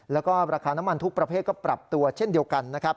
แล้วก็ราคาน้ำมันทุกประเภทก็ปรับตัวเช่นเดียวกันนะครับ